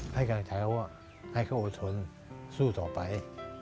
ให้กำลังเฉลยครอบครัวให้เขาโอชนสู้ต่อไป